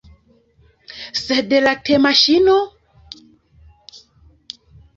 Sed la temaŝino?